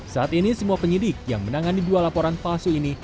saat ini semua penyidik yang menangani dua laporan palsu ini